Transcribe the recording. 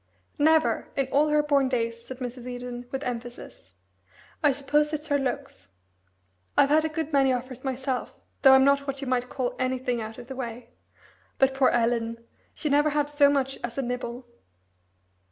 "Never in all her born days," said Mrs. Eden, with emphasis. "I suppose it's her looks. I've had a good many offers myself, though I'm not what you might call anything out of the way but poor Ellen never had so much as a nibble."